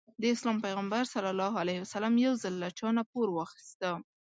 د اسلام پيغمبر ص يو ځل له چانه پور واخيسته.